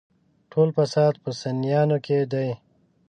ټول فساد په سنيانو کې دی.